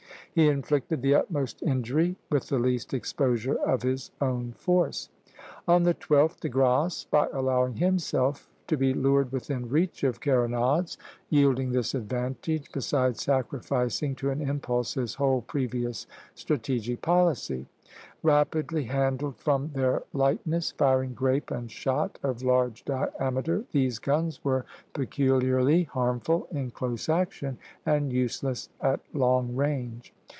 He inflicted the utmost injury with the least exposure of his own force. On the 12th, De Grasse, by allowing himself to be lured within reach of carronades, yielded this advantage, besides sacrificing to an impulse his whole previous strategic policy. Rapidly handled from their lightness, firing grape and shot of large diameter, these guns were peculiarly harmful in close action and useless at long range.